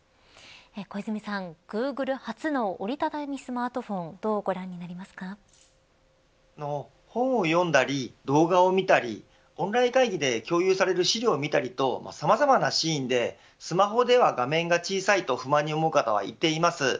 小泉さん、Ｇｏｏｇｌｅ初の折り畳みスマートフォン本を読んだり、動画を見たりオンライン会議で共有される資料を見たりとさまざまなシーンでスマホでは画面が小さいと不満に思う方は一定います。